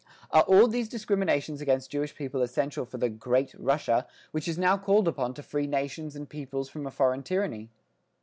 Are all these discriminations against Jewish people essential for the great Russia, which is now called upon to free nations and peoples from a foreign tyranny?